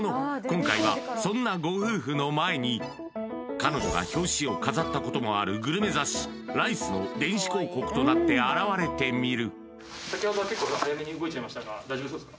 今回はそんな彼女が表紙を飾ったこともあるグルメ雑誌「ＲｉＣＥ」の電子広告となって現れてみる